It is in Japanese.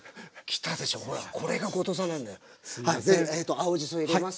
青じそ入れます。